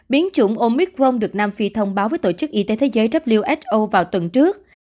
biến chủng omicron được nam phi thông báo với tổ chức y tế thế giới who vào tuần trước